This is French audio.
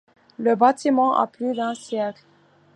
Le bâtiment a plus d'un siècle.